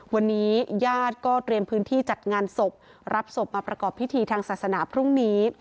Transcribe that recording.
วันนี้ญาติก็เตรียมพื้นที่จัดงานศพรับศพมาประกอบพิธีทางศาสนาพรุ่งนี้